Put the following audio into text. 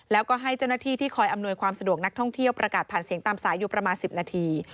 แล้วก็ให้เจ้าหน้าที่ที่คอยอำนวยความสะดวกนักท่องเที่ยวประกาศผ่านเสียงตามสายอยู่ประมาณ๑๐นาที